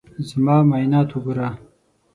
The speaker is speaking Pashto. زما معاینات وګوره.